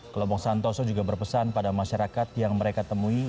kelompok santoso juga berpesan pada masyarakat yang mereka temui